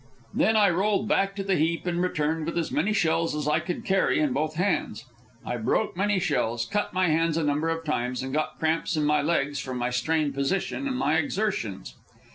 Then I rolled back to the heap and returned with as many shells as I could carry in both hands. I broke many shells, cut my hands a number of times, and got cramps in my legs from my strained position and my exertions.